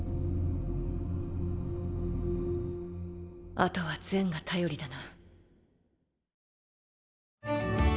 あとはゼンが頼りだな。